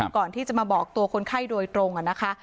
ก่อนที่จะมาบอกตัวคนไข้โดยตรงนะคะ